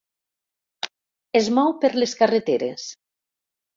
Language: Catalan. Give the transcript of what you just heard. Es mou per les carreteres.